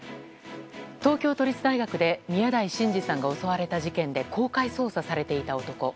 東京都立大学で宮台真司さんが襲われた事件で公開捜査されていた男。